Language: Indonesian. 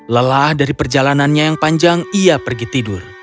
lelah dari perjalanannya yang panjang ia pergi tidur